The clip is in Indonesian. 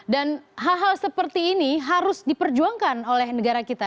dan hal hal seperti ini harus diperjuangkan oleh negara kita